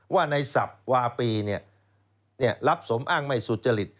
ว่าในศัพท์วาปีรับสมอ้างไม่สุจริต